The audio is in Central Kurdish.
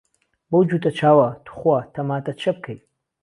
بهو جووته چاوه، توخوا، تهماته چه بکهی